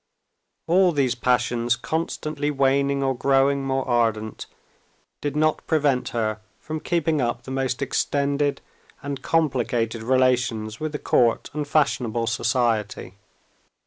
All these passions constantly waning or growing more ardent, did not prevent her from keeping up the most extended and complicated relations with the court and fashionable society.